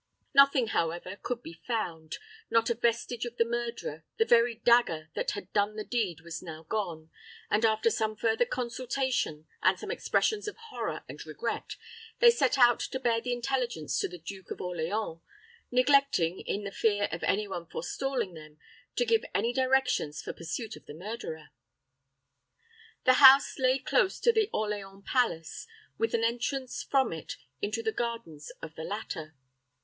Nothing, however, could be found not a vestige of the murderer the very dagger that had done the deed was now gone; and after some further consultation, and some expressions of horror and regret, they set out to bear the intelligence to the Duke of Orleans, neglecting, in the fear of any one forestalling them, to give any directions for pursuit of the murderer. The house lay close to the Orleans palace, with an entrance from it into the gardens of the latter.